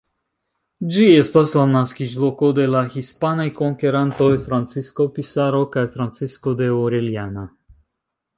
Ĝi estas la naskiĝloko de la hispanaj konkerantoj Francisco Pizarro kaj Francisco de Orellana.